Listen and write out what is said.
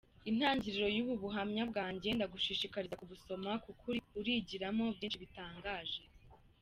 Intangiriro y’ubu buhamya bwanjye, ndagushishikariza kubusoma kuko urigiramo byinshi bitangaje !